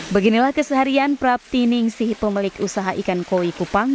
beginilah keseharian prapti ningsih pemilik usaha ikan koi kupang